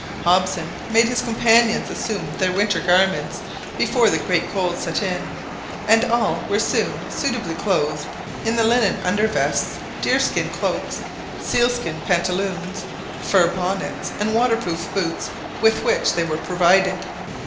Hobson made his companions assume their winter garments before the great cold set in, and all were soon suitably clothed in the linen under vests, deerskin cloaks, sealskin pantaloons, fur bonnets, and waterproof boots with which they were provided.